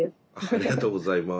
ありがとうございます。